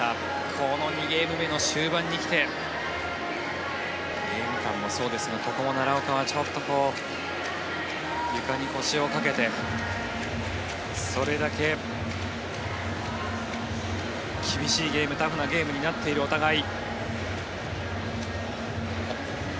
この２ゲーム目の終盤にきてゲーム間もそうですがここも奈良岡はちょっと床に腰をかけてそれだけ厳しいゲームタフなゲームになっているお互い。